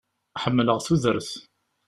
Ḥemmleɣ tudert.